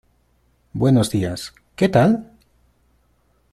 Buenos días, ¿qué tal?